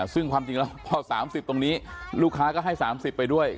ซึ่งพอ๓๐ตรงนี้ลูกค้าก็ให้๓๐ไปด้วย